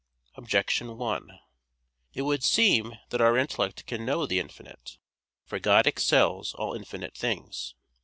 Objection 1: It would seem that our intellect can know the infinite. For God excels all infinite things.